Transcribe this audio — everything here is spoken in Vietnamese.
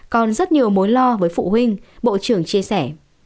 còn rất nhiều mối lo với phụ huynh bộ trưởng chia sẻ